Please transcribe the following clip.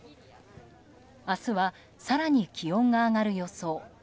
明日は更に気温が上がる予想。